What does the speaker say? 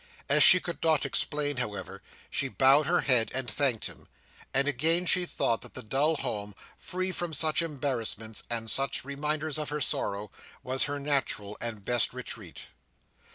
As she could not explain, however, she bowed her head and thanked him; and again she thought that the dull home, free from such embarrassments, and such reminders of her sorrow, was her natural and best retreat.